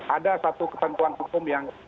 ada satu ketentuan hukum yang